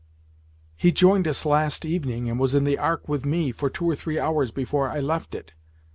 "He joined us last evening, and was in the Ark with me, for two or three hours before I left it.